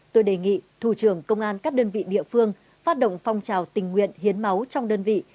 tôi đề nghị thủ trưởng công an các đơn vị địa phương phát động phong trào tình nguyện hiến máu trong đơn vị